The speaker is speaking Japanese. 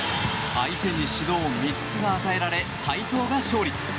そして、相手に指導３つが与えられ斉藤が勝利。